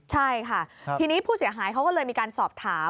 ใช่ค่ะทีนี้ผู้เสียหายเขาก็เลยมีการสอบถาม